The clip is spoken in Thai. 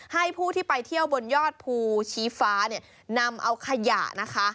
ให้ผู้ที่ไปเที่ยวบนยอดภูชีฟ้าเนี่ยนำเอาขยะนะคะ